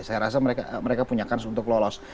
saya rasa mereka punya kans untuk lolos